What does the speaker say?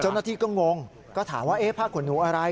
เจ้าหน้าที่ก็งงก็ถามว่าผ้าขนหนูอะไร